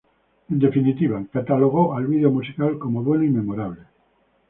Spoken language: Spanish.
En definitiva, catalogó al video musical como bueno y memorable.